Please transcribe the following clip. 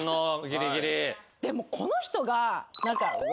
でもこの人が。